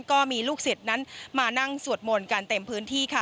ก็มีลูกศิษย์นั้นมานั่งสวดมนต์กันเต็มพื้นที่ค่ะ